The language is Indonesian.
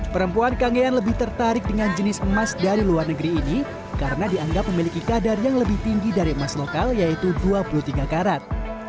perempuan kangean lebih tertarik dengan jenis emas dari luar negeri ini karena dianggap memiliki kadar yang lebih tinggi dari emas lokal yaitu dua puluh tiga karat